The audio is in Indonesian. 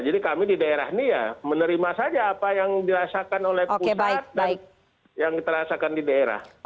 jadi kami di daerah ini ya menerima saja apa yang dirasakan oleh pusat dan yang dirasakan di daerah